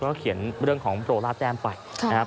เพราะกลัวมันจะเปื้องพร้อมทั้งมีการถอดเสื้อสีขาวออก